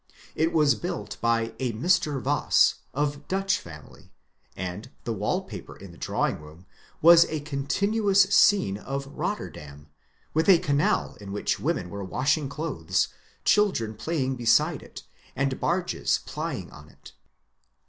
It was built by a Mr. Vass, of Dutch family, and the wall paper in the drawing room was a contin uous scene in Botterdam, with a canal in which women were washing clothes, children playing beside it, and barges plying on it.